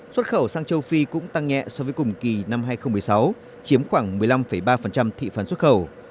xuất khẩu sang châu phi cũng tăng nhẹ so với cùng kỳ năm hai nghìn một mươi sáu chiếm khoảng một mươi năm ba thị phần xuất khẩu